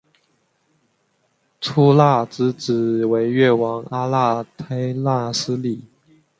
秃剌之子为越王阿剌忒纳失里。